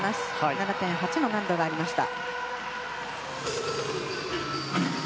７．８の難度がありました。